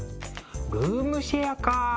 ルームシェアか。